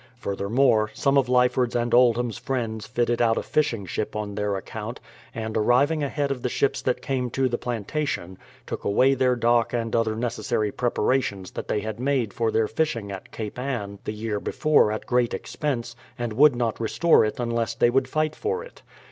Furthermore, some of Lyford's and Oldham's friends fitted out a fishing ship on their own account, and arriving ahead of the ships that came to the plantation, took away their dock and other necessary preparations that they had made for their fishing at Cape Ann the year before at great expense and would not restore it unless they would fight for it.